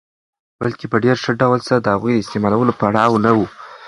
بلکي په ډېر ښه ډول سره د هغوی د استعمالولو پړا وونه